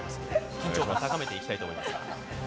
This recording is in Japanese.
緊張感を高めていきたいと思います。